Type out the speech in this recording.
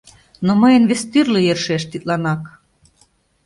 Но мыйын вестӱрлӧ йӧршеш тидлан ак